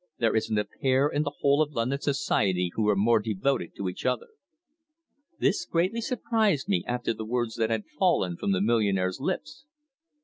"There isn't a pair in the whole of London Society who are more devoted to each other." This greatly surprised me after the words that had fallen from the millionaire's lips.